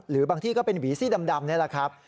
หรือบางที่ก็เป็นหวีซี่ดำนี่แหละครับ